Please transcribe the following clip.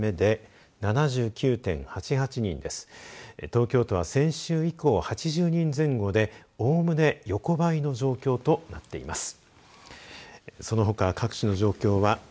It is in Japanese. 東京都は先週以降、８０人前後でおおむね横ばいの状況となっています。